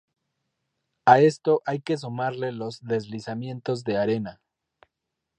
A esto hay que sumarle los deslizamientos de arena.